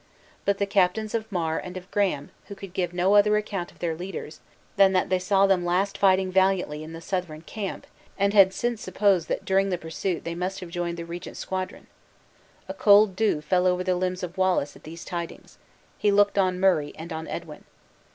But the captains of Mar and of Graham, could give no other account of their leaders, than that they saw them last fighting valiantly in the Southron camp, and had since supposed that during the pursuit they must have joined the regent's squadron. A cold dew fell over the limbs of Wallace at these tidings; he looked on Murray and on Edwin.